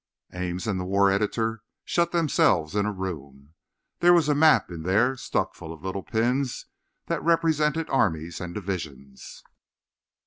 Ames and the "war editor" shut themselves in a room. There was a map in there stuck full of little pins that represented armies and divisions.